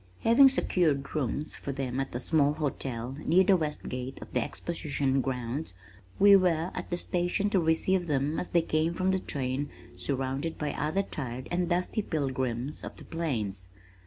Having secured rooms for them at a small hotel near the west gate of the exposition grounds, we were at the station to receive them as they came from the train surrounded by other tired and dusty pilgrims of the plains.